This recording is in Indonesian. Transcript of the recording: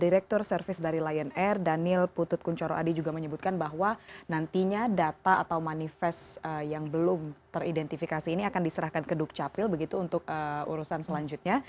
direktur servis dari lion air daniel putut kunchoro adi juga menyebutkan bahwa nantinya data atau manifest yang belum teridentifikasi ini akan diserahkan ke dukcapil begitu untuk urusan selanjutnya